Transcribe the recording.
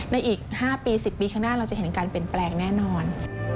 ในอีก๕๑๐ปีข้างหน้าเราจะเห็นกันเป็นแปลกแน่นอน